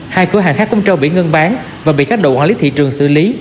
hai cửa hàng khác cũng trao biển ngưng bán và bị các đội quản lý thị trường xử lý